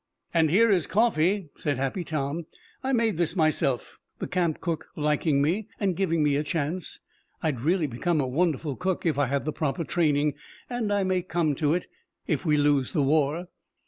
"And here is coffee," said Happy Tom. "I made this myself, the camp cook liking me and giving me a chance. I'd really be a wonderful cook if I had the proper training, and I may come to it, if we lose the war.